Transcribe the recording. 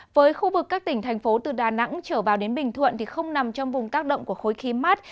với khu vực các tỉnh thành phố từ đà nẵng trở vào đến bình thuận không nằm trong vùng tác động của khối khí mát